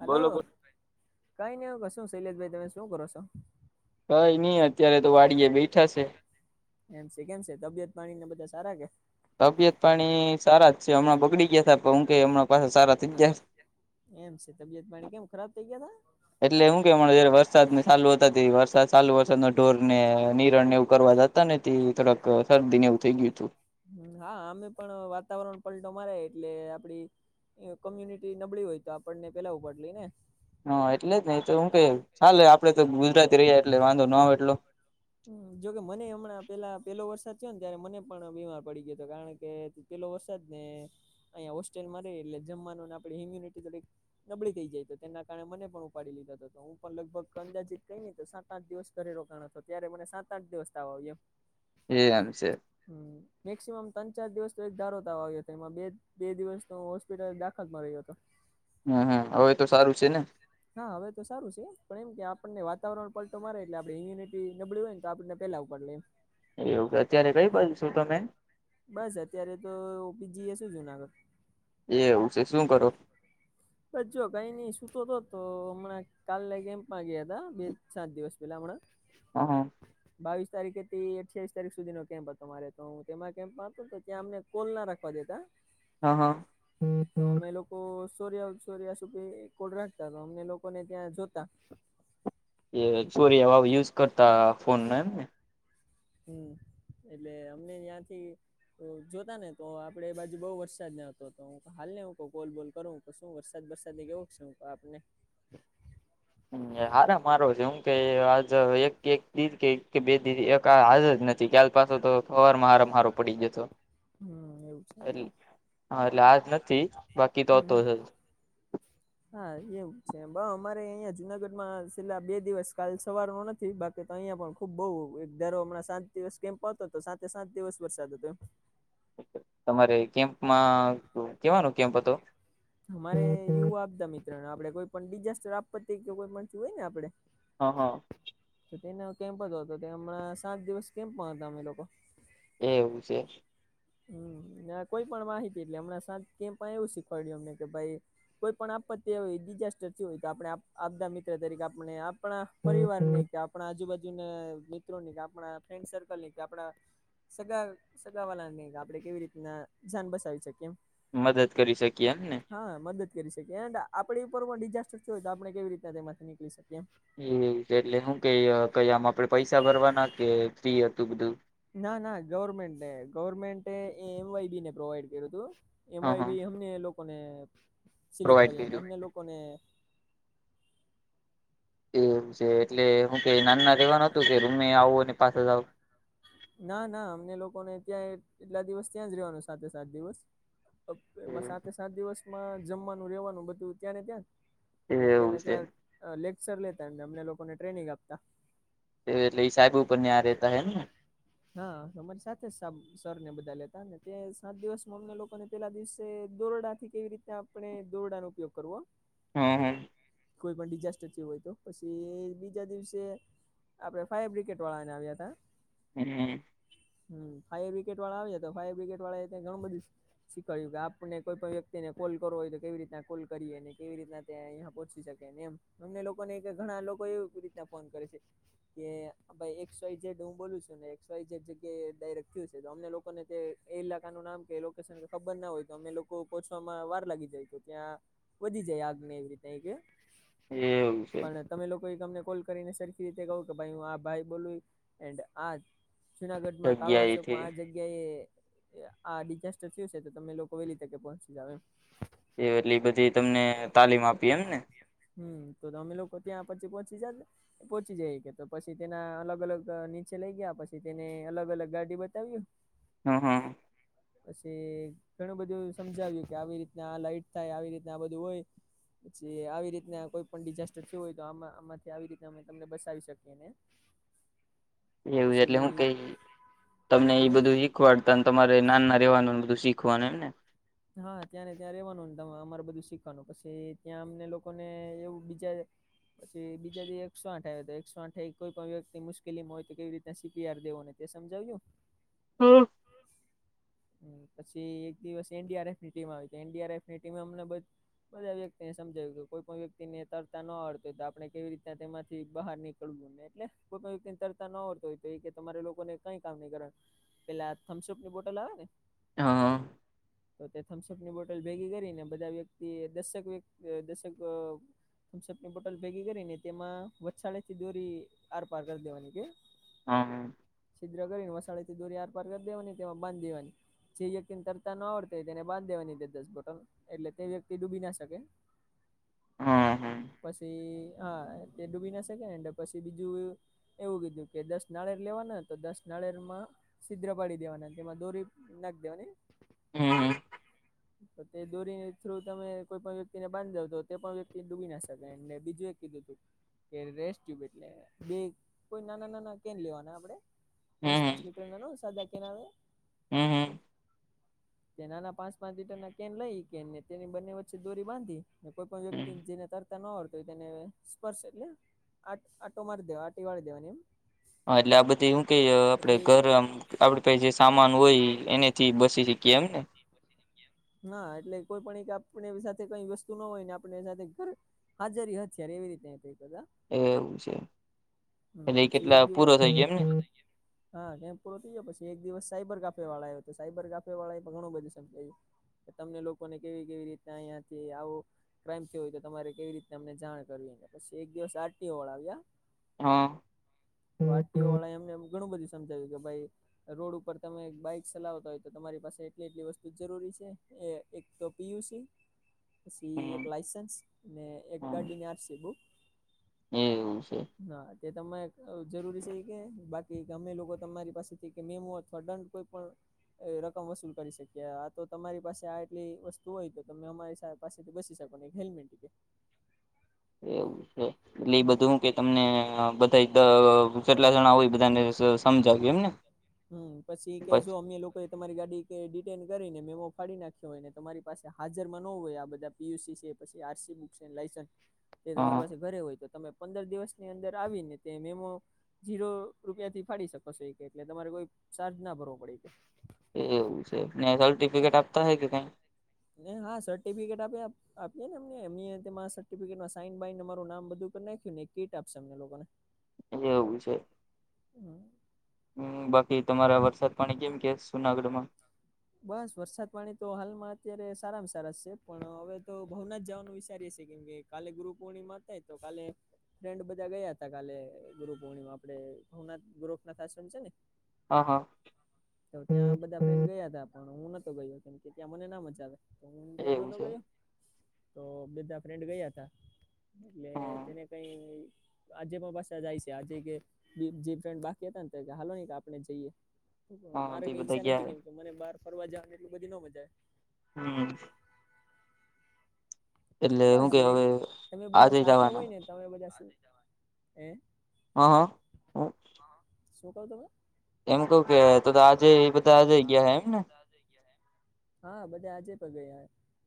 Hello બોલો બોલો કઈ નઈ એવું કશું શૈલેજભાઈ તમે શું કરો છો અત્યારે તો વાડીયે બેઠા છે એમ છે કેમ તબિયત પાણી બધા સારા કે તબિયત પાણી સારા જ છે હમણાં બગડી ગયા હતાા પણ હું ક હમણા પાસે સારા થઈ ગયા એમ છે તબિયત પાણી કેમ ખરાબ થઇ ગયા હતા એટલે હું કે જયારે વરસાદ ને ચાલુ વરસાદ ચાલુ વરસાદ ઢોર ને નિરણ ને એવું કરવા જતા ને એટલે થોડાક સરદી ને એવું થઈ ગયું તું હા અમે પણ વાતાવરણ પલટો મારે એટલે આપડી કોમ્યુનિટી નબળી હોય તો આપણને પેલા ઉપાડ લઈ ને હા જ નહી તો હું કવ ચાલે આપડે તો ગુજરાતી છે એટલે વાંધો ન હોય એટલો બધો જોકે મને હમણાં પેલા પેલો વરસાદ થયો ને ત્યારે મુ પણ બીમાર પડી ગયો હતો કારણ કે પેલો વરસાદ ને અહીંયા હોસ્ટેલમાં એટલે જમવાનું ને આપણી ઇમ્યુનિટી થોડીક નબળી નબળી થઈ જાય તો તેના કારણે મને પણ ઉપાડી લીધા તો હું પણ લગભગ અંદાજીત કઈને તો સાત આઠ દિવસ ઘરે રોકાણ હતો ત્યારે મને સાત આઠ દિવસ તાવ આવ્યો એમ એમ છે હ મેક્સિમમ ત્ર ચાર દિવસ એક ત આવ્યો હતો એમાં બે બે દિવસ ન હોસ્પિટલ દાખલ માં રહ્યો હતો હમ્મ હમ્મ હવે તો સારું છે ને? હા હવે તો સારું છે પણ એમ કે આપણને વાતાવરણ પલટો મારે એટલે આપણે ઇમ્યુનિટી એ નબળી હોય તો આપણને પેલા ઉપાડી લે. એવું કે અત્યારે કઈ બાજુ છો તમે? બસ અત્યારે તો ઓ પી જી એ શું જુનાગઢ. એ હવું છે શું કરો? બછ જો કઈ નઈ સૂતોતો તો હમણાં કાલે કેમ્પમાં ગયા હતા બે સાત દિવસ પેલા હમણાં. હ હ. બાવીસ તારીખેથી તે અઠ્ઠાવીસ તારીખ સુધીનો કેમ્પ હતો મારે તો હું તેમાં કેમ્પમાં હતો ત્યાં અમને કોલ ના રાખવા દેતા. હા હા. હમ્મ હમ્મ અમે લોકો સોર્યા સોર્યા સુપી કોડ રાખતા તો અમને લોકોને ત્યાં જોતા. એ ચોરી હવા યુઝ કરતા ફોન ને એમને? હમ્મ એટલે અમને યા થી તો જોતા ને તો આપડે બાજુ બઉુ વરસાદ ન હતો તો હું હાલ ને હું કઉ કોલ બોલ કરું તો શું વરસાદ વરસાદ કેવું છે આપને હાર મારો છે હું આજ એક એક દી કે એક કે દી એક હા જ નથી ક્યા પાછો તો હવાર મા હાર મારો પડી જતો. હમ્મ એવું છે ને. હા એટલે આજ નથી બાકી તો હમ તો જ [inaudible] હા એવું છે પર અમારે અહિયાં જુનાગઢમાં છેલ્લા બે દિવસ કાલ સવારનો નથી બાકી કે તો અહિયાયા પણ ખુબ બહુ એક ધારો હમણાં સાત દિવસ કેમ્પ આવ હતો સાતે સાત દિવસ વરસાદ હતો એમ. તમારે કેમ્પમાં કેવાનું કેમ્પ હતો. અમારે એવું આપતા મિત્ર આપડે કોઈ પણ ડિઝાસ્ટર આપ કે કોઈ પણ હોય ને આપડે. હા હા. તો તેને કેમ્પ જ હતો હમણાં સાત દિવસ કેમ્પમાં હતા અમે લોકો. એવું છે. ના કોઈ પણ માહિતી એટલે હમણાં પણ એવું શીખવાડ્યું અમને કે ભાઈ કોઈ પણ આપત્તિ હોય ડિઝાસ્ટર હોય તો આપણે આપદ મિત્ર તરીકે આપણે આપણા પરિવારની કે આપણા આજુબાજુને મિત્રોની કે આપણા ફ્રેન્ડસર્કલની કે આપણા સગા સગાવાળાને આપણે કેવી રીતના જાન બચાવી શકીએ. મદદ કરી શકીએ એમને. હા મદદ કરી શકીએ એ આપડી ઉપર પણ ડિઝાસ્ટર જોય તો આપડે કેવી રીતના તેમાંથી નીકળી શકીએ. એવું છે એટલે શું કે આમ આપડે પૈસા ભરવાના કે ફ્રી હતું બધું. ના ના ગવર્મેન્ટે ને ગવેર્મેન્ટ એ એમ વાય બી ને પ્રોવાઈડ કર્યું હતું. એમન. હા વાય હા બી અમને લોકોને સિલેક્ટ પ્રોવાઈડ કર્યા અને કર્યું અમને લોકોને એમ છે એટલે હું કઈ નાના રહેવાનું કે રૂમે આવુંને પાછા જાવ ના ના અમને લોકોને ત્યાં એટલા દિવસ ત્યાં જ રહેવાનું સાત દિવસ. અબ એમાં સાતે સાત દિવસમાં જમવાનું રહેેવાનું બધું ત્યાં ને ત્યાં એ એવું ત્યાંને છે ત્યાં અહ લેક્ચર લેતાને અમને લોકોને ટ્રેનિંગ આપતા. એ એટલે એ સાહેબ ઉપર આ રહેતા હે ને એમ ને? હા અમારી સાથે સાબ સર ને બધા લેતા ને સાત દિવસ માં અમને લોકો ને પેલા દિવસે દોરડાથી કેવી રીતે આ આપણે દોરડાનો ઉપયોગ કરવો. હ હ. કોઈ પણ ડિઝાસ્ટર જેવુ હોય તો પછી એ બીજા દિવસે આપણે ફાયર બ્રિગેડવાળા આવ્યાતા. [inaudible] હમ ફાયર બ્રિગેડવાળા આવે તો ફાયરબ્રિગેડ વાળા ત્યાં ઘણું બધું શીખવાડ્યું કે આપને કોઈ પણ વ્યક્તિને કોલ કરવો હોય તો કેવી રીતના કોલ કરીએ ને કેવી રીતના ત્યાં પહોંચી શકે ને એમ અમને લોકોને ઘણા લોકો એવી રીતના ફોન કરે છે. કે ભાઈ એકસ વાય જેડ હૂ બોલુ ને [unintelligible] જે જગ્યાએ દાયરે થયું છે, તો અમને લોકોને તે એ ઇલાકાનુ નામ કે લોકેશન ખબર ના હોય તો અમે લો કો પોહચવામાં વાર લાગી જાય તો ત્યાં વધી જાય આગને એવી રીતે [unintelligible] એવું છે. પણ તમે લોકો એ અમને કોલ કરીને સરખી રીતે કહું કે ભાઈ હું આ ભાઈ બોલું એન્ડ આ જુનાગઢમાં કાળવા ચોકમાં જગ્યાએથી આ જ ગયા એ આ ડિઝાસ્ટર થયું છે, તો તમે લોકો વેલી તકે પહોંચી જાવ એમ એ એટલી બધી તમને તાલીમ આપી એમ ને હમ્મ તો તમે લોકો ત્યાં પછી પહોંચી જાજે પોહોચી જાય કે તો પછી તેના અલગ અલગ નીચે લઈ ગયા પ તેને અલગ અલગ ગાડી બતાવ્યું હ હ. પછી ઘણું બધું સમજાવ્યું કે આવી રીતના આ લાઈટ થાય આવી રીતના આ બધું હોય પછી આવી રીતના કોઈ પણ ડિઝાસ્ટર થયું હોય તો આમા આમાંથી આવી રીતે અમે તમને બસાવી શકીએ ને એવું છે, એટલે હું પછી કેય તમને એ બધું શીખવાડતા અને તમારે નાના રહેવાનું બધું શીખ [unintelligible] ને હા ત્યાં ને ત્યાં ને ત્યાં રહેવાનું ને ત અમારે બધું શીખવાનું પછી ત્યાં અમને લોકોને એવું બીજા પછી બીજા જે એકસો આઠ આવે તો એકસો આઠ કોઈ પણ વ્યક્તિ મુકેલીમાં હોય તો કેવી રી તે સી. પી. આર દેવો ને તે સમજાવ્યું હમ્મ. હમ પછી એક દિવસ એન. ડી. આર. એફ ની ટી આવી એન. ડી. આર. એફ ની ટીમે અમને બ બધા વ્યક્તિને સમજાવ્યું કોઈ પણ વ્યક્તિ ને તરતા ન અડતો હોય તો આપણે કેવી રીતના તેમાંથી બહાર ની કળવુ ને એટલે કોઈ પણ વ્યક્તિ તરતા ન આવડતો હોય તો એ કે તમારે લોકો ને કઈ કામ ની કર પેલા થમ્સઅપની બોટલ આવે ને હ. તો તે થમ્સઅપની બોટલ ભેગી કરીને બધા વ્યક્તિ દશેક વ્યક્તિ દશક અ પની બોટલ ભેગી કરીને તેમાં વછાળેથી દોરી આર પાર કરી દેવાની કે હ. છિદ્ર કરીને મસાળેથી દોરી આર પાર કરી દેવાની તેમાં બાંધ દેવાની જેયકીન તર તાના આવડતાય તેને બાંધ દેવાની દે દસ બોટલ એટલે તે વ્યક્તિ ડૂબી ના શકે હા પછી હા તે ડૂબીના શકે એન્ડ પછી બીજું એવું કીધું કે દસ નાળેર લેવાના તો દસ માં છીદ્ર પાડી દેવાના તેમાં દોરી નાખ દેવાની હમ્મ હમ. તો તે દોરી થ્રુ તમે કોઈ પણ વ્યક્તિને બાંધાવ તો તે પણ વ્યક્તિ ડૂબી ના શકે ને બીજું એ કીધું તું કે રેસ્ટુબ એટલે બે કોઈ નાના નાના કેન લેવાના આપડે પાંચ પાંચ લીટર ના સાદા કે ના આવે હમ્મ. કે નાના પાંચ પાંચ લીટર ના કેન લઈ કેને તેની બંને વચ્ચે દોરી બાંધીને કોઈ પણ વ્યક્તિ હમ જેને તક ન હોડ હોય તેને સ્પર્શ એટલે આટો મારી દેવા આટી વાળી દેવાની એમ. હા એટલે આ બધે એવું કે આપડે એટલે ઘરમ આપડ જે સામાન હોય એનેથી બસી શકીયા એમને. ના એટલે કોઈ પણ એક આપણે સાથે કઈ વસ્તુ ના હોય ને આપણે સાથે ઘર હાજરી હત્યારે એવી રીતે થ કદા. એ એવું છે. હમ્મ એટલે એ પછી એક કેટલા દિવસ પૂરો થઈ ગયા એમને થ હા કેમ પૂરો થ ગયો પછ એક દિવસ સાયબર કાફે વાળા આવ્યો તો સાયબર કાફે વાળા પણ ઘણું બધું સમજાયું. તમને લોકોને કેવી કેવી રીતના અહિયાંથી આવો ક્રાઈમ થયો હોય તો તમારે કેવી રીત અમને જાણ કરવી પછી એક દિવસ આરટીઓ વાળા આવ્યા હા. વાળ એમને ઘણું બધું સમજાવ્યું કે ભાઈ રોડ ઉપર તમે બાઈક ચલાવતા હોય તો તમારી પાસે એટલી એટલી વસ્તુ જરૂરી છે એ એક તો પી. યુ. સી છે, પછી એક હમ લાઈસન્સ અને એક હમ ગાડીની આરસી બુક એવું છે. હા તે તમે જરૂરી છે કે બાકી ગમે લોકો તમારી પાસેથી કે મેમો અથવા દંડ કોઈ પણ રકમ વસૂલ કરી શકીએ આ તો તમારી પાસે આ એટલી વસ્તુ હોય તો તમે અમારી પાસેથી બસી શકો [unintelligible] એવું છે એ બધું હું કે તમને કેટલા જણા હોય બધાને સમજાવી એમ ને? હમ પછી કે જો અમે લોકો તોય તમારી ગાડી ડિટેન મેમો ફાડી નાખ્યો હોય ને તમારી પાસે હાજરમાં ન હોય આ બધા પીયુસી છે પછી આરસી બુક છે લાઇસન્સ તમારી હા પાસે ઘરે હોય તો તમે પંદર દિવસની અંદર આવીને તે મેમો જીરો રૂપિયા થી ફાડી શકો છો એ કે તમારે કોઈ ચાર્જ ના ભરવો પડે કે એવું છે. ને સર્ટિફિકેટ આપતા હો કે કઈ? ને હા સર્ટિફિકેટ આપે આપ આપીએ ને એમને એ સર્ટિફિકેટમાં સાઈન બાઈન તમારું નામ બધું કરી નાખ્યું ને કીટ આપશે અમને લોકોને એ એવું છે. હમ બાકી તમારા વરસાદ પાણી કેમ કે છે? જૂનાગઢમાં બસ વરસાદ પાણી તો હાલમાં અત્યારે સારામાં સારા છે પણ હવે તો ભાવનાથ જવાનું વિચારી છે કેમ કે કાલે ગુરુ પૂર્ણિમા થાય તો કાલે ફ્રેન્ડ બધા ગયા હતા કાલે ગુરપૂર્ણિમા આપડે ભવનાથ ગુરુ પ્રાશાસન છે ને હા હા તો ત્યાં બધા ગયા હતા પણ હું નોતો ગયો કેમ કે ત્યાં મને ના મજ આવે. હું ત્યાં એવું નતો છે ગયો તો બધા ફ્રેન્ડ ગયા હતા. એટલે હમ તેને કઈ આજે મા પાસા જાય છે કે જે ફ્રેન્ડ બાકી હતા ને તો હાલો નહી કે આપડે જઈએ. હા મારે તે કઈ બધા ઈચ્છા નથી ગયા કેમ કે મને બાર ફરવા જવાની એટલું બધી ના મજા આવે. હમ એટલે હું બસ કે એક હવે તમે બધા આજે સાથે હોય જવાના ને તમે બધા હ હ શું કહો તમે? એમ કવ કે તો તો આજે એ બધા આજે ગયા હે એમ ને? હા બધા આજે પણ ગયા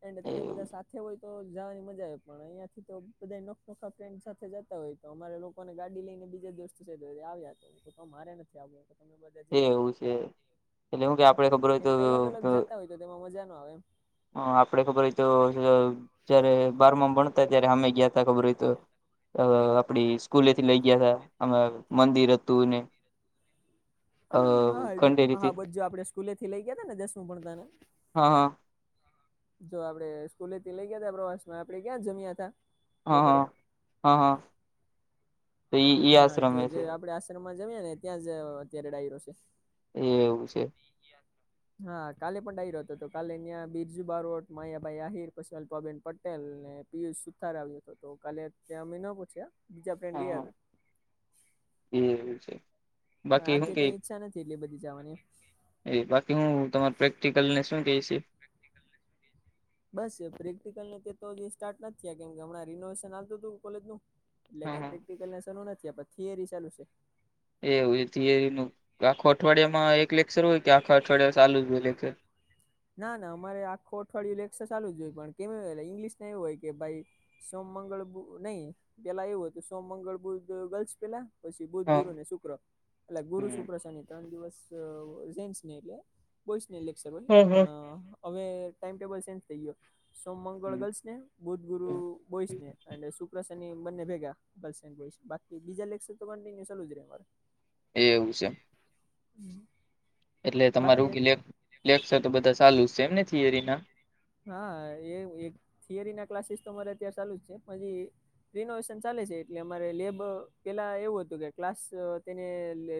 એન્ડ તમે બધા એવું સાથે હોય તો જવાની મજા આવે પણ અહિયાં થી તો બધા નોખ નોખા ફ્રેન્ડ સાથે જતા હોય તો અમારે લો કો ને ગાડી લઈને બીજા દોસ્ત છે તો એ આવ્યા તો હું કવ મારે નથી આવવું. તમે બધા એ જઈ આવો એવું છે. એટલે હું કે આપડે ખબર હોય કેમ તો કે અલગ અલગ જતા હોય તેમાં મજા નો આવે એમ આપડે ખબર હોય તો જયારે બારમાં ભણતા ત્યારે અમે ગ્યાતા ખબર હોય તો. અ આપડી સ્કૂલેથી લઇ ગયા હતા અમે મંદિર હતું ને અ હા હા ખંડેરીથી બધું આપડે સ્કૂલેથી લઈ હતા ને દસમું ભણતાં એને હ હ જો આપડે સ્કૂલે થી લઈ ગ્યાતા પ્રવાસ માં આપડે ક્યાં જમ્યા હતા? હ હ હા હા તો ઈ હા જો આશ્રમે જે છે. આપડે જમ્યા હતા ને ત્યાં જ અત્યારે ડાયરો છે. એવું છે. [inaudible] હા કાલે પણ ડાયરો હતો કાલે ત્યાં બિરજુ બારોટ, માયાભાઈ આહિર પછી અલ્પાબેન પ પટેલ ને પીયુષ સુથાર આવ્યો હતો તો કાલે ત્યાં અમે પહોંચ્યા બીજા ફન્ડ ગયા હતા. હમ્મ એવું છે. હ બાકી હું આજે કઈ ઈચ્છા નથી એટલે બધી જાવાની એ બાકી હું તમારા પ્રેક્ટિકલ ને શું કે છે? પ્રેક્ટીકલ ને બસ પ્રેક્ટિકલ ને તે તો સ્ટાર્ટ નથી થયા કેમ કે હમણાં રિનોવેશન હાલતું હતું ને કોલેજ નું એટલે હા કઈ હા પ્રેક્ટિકલ ને શરૂ નથી થયા પણ થિયરી ચાલુ છે. એવું થિયરીનું આખો અઠવાડિયામાં એક લેક્ચર હોય કે આખા અઠવાડિયા ચાલુ જ હોય લેક્ચર? ના ના અમારે આખું અઠવાડિયું લેક્ચર ચાલુ જ હોય કેમલે ઇંગ્લિશ ના એવું હોય કે ભાઈ સોમ મંગળ બુ નહીં પેલા એવું હતું સોમ મંગળ બુધ ગર્લ્સ પેલા પછી બુધ હા ગુરુ ને શુક્ર એટલે ગુરુ શુ હમ શની ત્રણ દિવસ અ જેન્સ એટલે બોઈસને લેક્ચર હોય હમ પણ હવે ટાઈમટેબલ સેન્જ થઈ ગયો સોમ મંગળ હમ ગર્લ્સ ને બુધ ગુરુ બોઈસને અને શુક્ર શનિ બંને ભેગા ગર્લ્સ એન્ડ બોયઝ બાકી બીજા લેક્ચર તો કંટીન્યુ ચાલુ જ રહે અમારે એવું છે [inaudible] એટલે બાકી તમારું એવુ લે લેકસર તો બધા સાલું જ છે એમ ને થિયરીના? હા એ એક થિયરી ના ક્લાસીસ તો મારે અત્યારે ચાલુ જ છે પછી રિનોવેશન ચાલે છે એટલે અમારે લેબ પેલા એવું હતું કે ક્લાસ તેને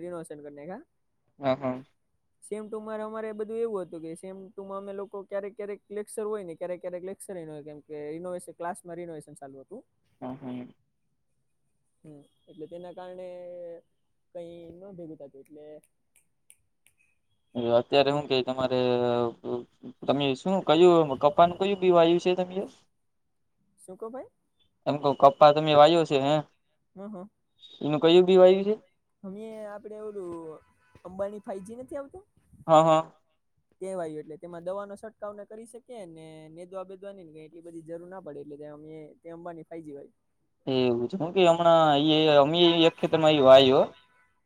રિનોવે વેશન કરી નાખ્યા. હ હા સેમ ટુ માં અમારે બધું એવું હતું કે સેમ ટુ માં અમે લોકો ક્યારેક ક્યારેક લેક્ચર હોય ને ક્યારેક ક્યારેક લેક્ચર ન હોય કેમ રિનોવેશન ક્લાસ માં રિનોવેશન ચાલુ હતું. હમ હ હમ એટલે તેના કારણે કઈ ન ભેગું થતું એટલે [inaudible] અત્યારે એટલે હું કે તમારે તમે શું કયું કપાનું કયું બી વાવ્યું છે તે શું કો ભાઈ એમ કહું કપ પ્પા તમે વાયયો છે હે હ એનું કયું બી વાયુ છે. મેં આપડે ઓલું અંબાણી ફાઈવજી નથી આવતો હા હા [inaudible] કહેવાયું એટલે તેમાં દવાનો છટકાવને કરી શકીએ ને નેદવા બેેદવા ન ને એટલી બધી જરૂર ના પડે એટલે જ અમે તે અંબાની ફાઈજી હોય એ એવું છે કે હમણાં યે અમ એક ખેતરમાં એ વાયુ હો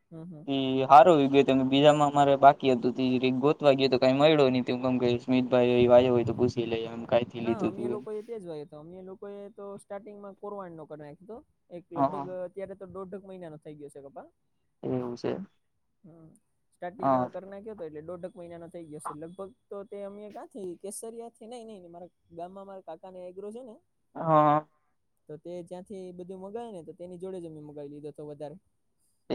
હમ હમ એ હારો ગયો ત બીજામાં મારે બાકી હતું ગોતવા ગયો તો કઈ મળ્યો નહી ત હું ગમ ગઈશ મિત ભાઈ એ વાયુ હોય તો પૂછ ઇલે એમ કઈ હા અમે લોકો એ તે જ વાય તો અમેં લોકોએ તો સ્ટાર્ટિંગમાં કોરવા નો કર નાખ્યો તો એક હા લગભગ હા અત્યારે તો દોઢક મહિના નો થઈ ગયો છે કપ્પા એવુ છે. હ હા સ્ટાર્ટિંગમાં કર નાખ્યું તો એટલે દોઢ ટક મહિના નો થઈ ગયોશે લગભગ તો તે અમે ક્યાંથી કેસરિયા થી નઈ નઈ મારા ગામમાં માર કાકા ને એગ્રો છે ને હા તો તે યાંથી બધું મગાયે ને તો તેની જોડે જ મે મગાવી લીધો તો વધારે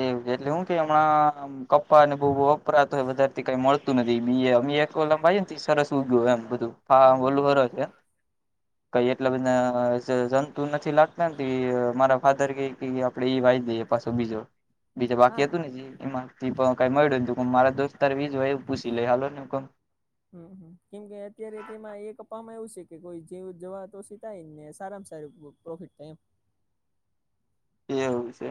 એમ એટલે હું કે હમણાં કપ્પાને બહુ બ વપરાતો હોય વધારથી કઈ મળતું નથી બી અ એક લંબાઈ તો સરસ ઉગય એમ બધું હા હમ બોલું વરે છે. કંઈ એટલા બધા જ જંતુ નથી લાગતા તયે મારા ફાધર કેય કે કે ઈ વાઈ દઈએ પાછો બીજો બીજે બાકી હા હતું ને જે એમાં થી પણ કઈ મળ્યું નય હુ કવ મારા દોસ્તાર બીજ વાયુ પૂછી લઈ હાલો ને હુ કવ હમ હમ કેમકે અત્યારે તેમાં એક કપવામાં એવુ છે કે કોઈ જેવ જવા તો સીતાય ને સારામાં સારું પ્રોફિટ થાય એમ એવું છે.